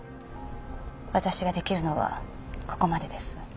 私ができるのはここまでです。